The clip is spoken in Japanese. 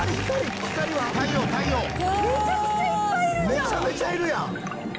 「めちゃめちゃいるやん！」